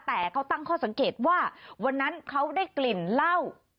แต่เขาตั้งข้อสังเกตว่าวันนั้นเขาได้กลิ่นเหล้า